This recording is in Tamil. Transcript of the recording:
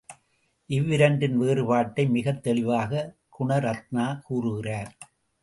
இவ்விரண்டின் வேறுபாட்டை மிகத் தெளிவாக குணரத்னா கூறுகிறார்.